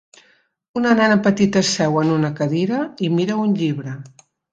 Una nena petita seu en una cadira i mira un llibre.